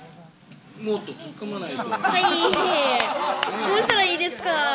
どうしたらいいですか？